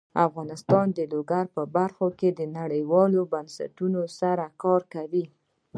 افغانستان د لوگر په برخه کې نړیوالو بنسټونو سره کار کوي.